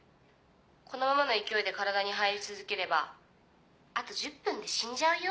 このままの勢いで体に入り続ければあと１０分で死んじゃうよ？